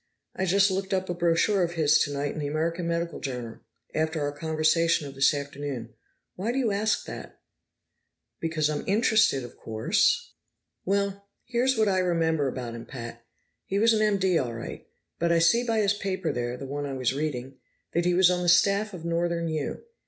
I just looked up a brochure of his tonight in the American Medical Journal, after our conversation of this afternoon. Why do you ask that?" "Because I'm interested, of course." "Well, here's what I remember about him, Pat. He was an M.D., all right, but I see by his paper there the one I was reading that he was on the staff of Northern U.